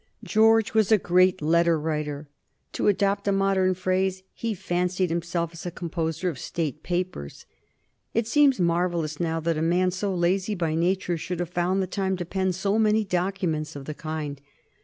George was a great letter writer. To adopt a modern phrase, he "fancied himself" as a composer of State papers. It seems marvellous now that a man so lazy by nature should have found the time to pen so many documents of the kind.